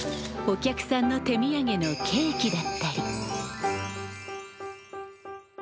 お客さんの手土産のケーキだったり。